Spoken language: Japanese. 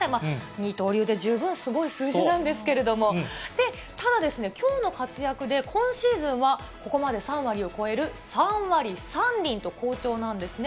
二刀流で十分すごい数字なんですけれども、ただですね、きょうの活躍で今シーズンは、ここまで３割を超える３割３厘と好調なんですね。